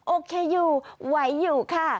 โอเคอยู่ไหวอยู่ค่ะ